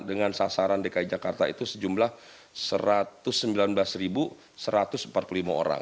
dengan sasaran dki jakarta itu sejumlah satu ratus sembilan belas satu ratus empat puluh lima orang